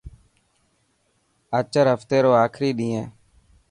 آچر هفتي رو آخري ڏينهن هي.